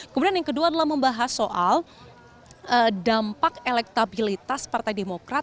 kemudian yang kedua adalah membahas soal dampak elektabilitas partai demokrat